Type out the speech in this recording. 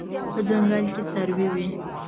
په ځنګل کې څاروي وي